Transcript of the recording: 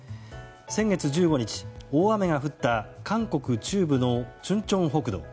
先月１５日、大雨が降った韓国中部のチュンチョン北道。